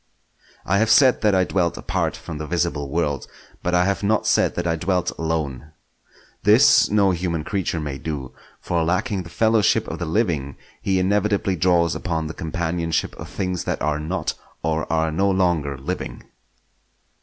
I have said that I dwelt apart from the visible world, but I have not said that I dwelt alone. This no human creature may do; for lacking the fellowship of the living, he inevitably draws upon the companionship of things that are not, or are no longer, living.